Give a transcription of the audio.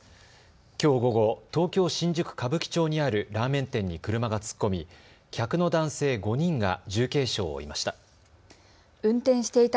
きょう午後、東京新宿歌舞伎町にあるラーメン店に車が突っ込み、客の男性５人が重軽傷を負いました。